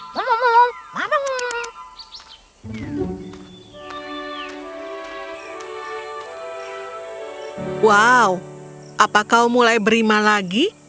halo wow apa kau mulai berima lagi